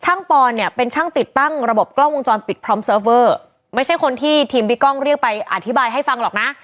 ปอนเนี่ยเป็นช่างติดตั้งระบบกล้องวงจรปิดพร้อมเซิร์ฟเวอร์ไม่ใช่คนที่ทีมบิ๊กกล้องเรียกไปอธิบายให้ฟังหรอกนะ